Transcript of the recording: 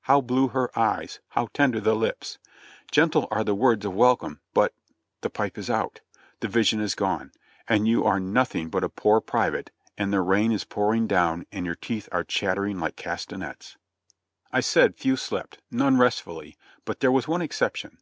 How blue her eyes! How tender the lips! Gentle are the words of welcome, but — the pipe is out; the vision is gone, and you are nothing but a poor private, and the rain is pouring down and your teeth are chattering like castanets." I said few slept, none restfully, but there was one exception.